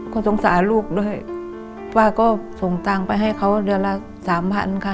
ก็สงสารลูกด้วยป้าก็ส่งตังค์ไปให้เขาเดือนละสามพันค่ะ